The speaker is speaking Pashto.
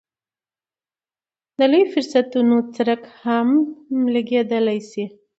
د لویو فرصتونو څرک هم لګېدلی شي.